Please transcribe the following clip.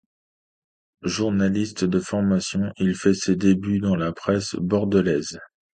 Journaliste de formation, il fait ses débuts dans la presse bordelaise.